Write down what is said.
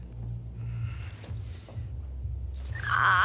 ああ！